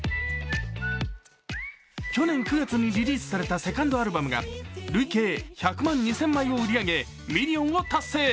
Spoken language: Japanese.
去年９月にリリースされたセカンドアルバムが累計１００万２０００枚を売り上げミリオンを達成。